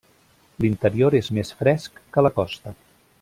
L'interior és més fresc que la costa.